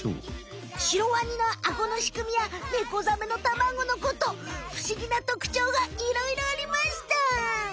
シロワニのアゴのしくみやネコザメの卵のことふしぎなとくちょうがいろいろありました！